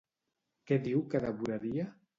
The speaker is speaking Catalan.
Què diu que devoraria?